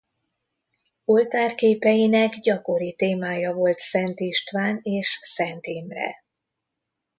Oltárképeinek gyakori témája volt Szent István és Szent Imre.